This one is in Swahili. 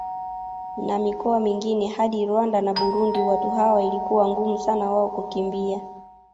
Na mikoa mingine hadi Rwanda na Burundi watu hawa ilikuwa ngumu sana wao kukimbia